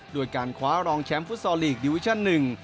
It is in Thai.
โดยการคว้ารองแชมป์ฟุตซอลลีกดิวิชั่นหนึ่ง